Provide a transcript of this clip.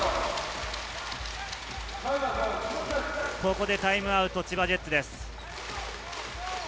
ここでタイムアウト、千葉ジェッツです。